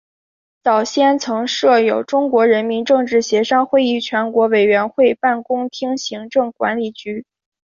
早先曾设有中国人民政治协商会议全国委员会办公厅行政管理局。